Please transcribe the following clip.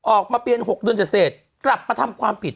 ออกมาเปลี่ยน๖เดือนเสร็จกลับมาทำความผิด